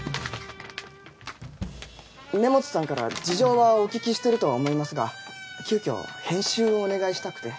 根元さんから事情はお聞きしてるとは思いますが急きょ編集をお願いしたくて。